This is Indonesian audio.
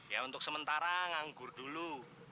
ya untuk sementara nganggur dulu